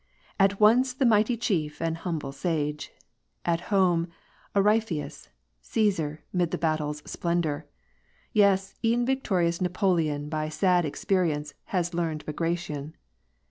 At once the mighty chief and humble sage: At home, a Ripheiis, Osesar, 'mid the battle's splendor! Yes! e*en victorious Napoleon By sad experience has learned Bagration